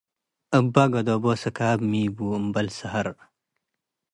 አበ-ገደቦ ስካብ ሚቡ - ኣምበል ሰሀር